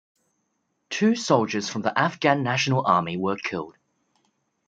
Two soldiers from the Afghan National Army were killed.